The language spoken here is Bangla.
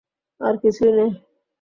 আর কিছুই না।